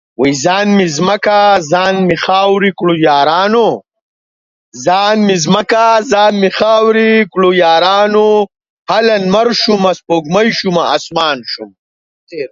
He was the owner of an extensive art collection.